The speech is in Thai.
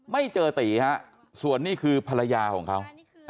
ไม่เจอตีฮะส่วนนี้คือภรรยาของเขา